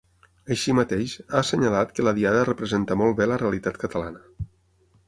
Així mateix, ha assenyalat que la Diada representa molt bé la realitat catalana.